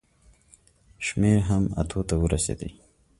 شمېر هم اتو ته ورسېدی.